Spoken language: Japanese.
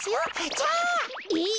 じゃあ！えっ？